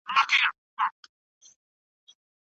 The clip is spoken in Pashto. نارينه پر ښځو باندي د قواميت او سلطې صلاحيت لري